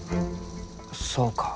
そうか。